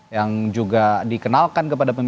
yang juga dikenalkan kepada pak jokowi